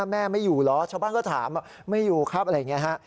แม่ไม่อยู่เหรอชาวบ้านก็ถามไม่อยู่ครับอะไรอย่างนี้ฮะ